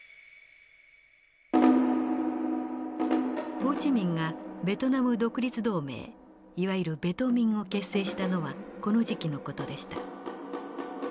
ホー・チ・ミンがベトナム独立同盟いわゆるベトミンを結成したのはこの時期の事でした。